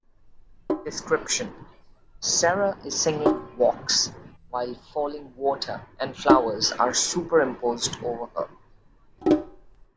Description: Sarah is singing "Vox" while falling water and flowers are superimposed over her.